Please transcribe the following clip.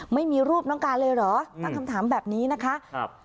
ไม่มีรูปน้องการเลยเหรอตั้งคำถามแบบนี้นะคะครับ